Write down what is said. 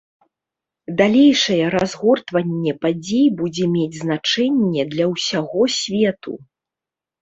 Далейшае разгортванне падзей будзе мець значэнне для ўсяго свету.